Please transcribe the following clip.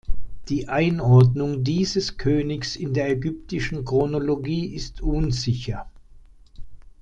Die Einordnung dieses Königs in der ägyptischen Chronologie ist unsicher.